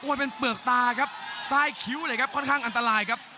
เป็นเปลือกตาครับใต้คิ้วเลยครับค่อนข้างอันตรายครับ